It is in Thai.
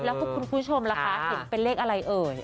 แล้วคุณผู้ชมล่ะคะเห็นเป็นเลขอะไรเอ่ย